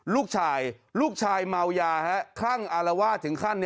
ลูกชายลูกชายเมายาคลั่งอารวาสถึงขั้น